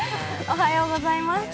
おはようございます。